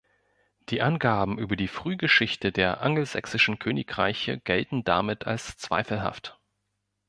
Die Angaben über die Frühgeschichte der angelsächsischen Königreiche gelten damit als zweifelhaft.